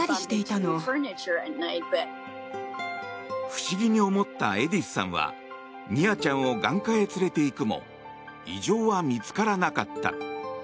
不思議に思ったエディスさんはミアちゃんを眼科へ連れていくも異常は見つからなかった。